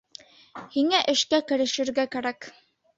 Һиңә эшкә керешергә кәрәк.